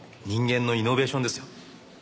人間のイノベーションですよ。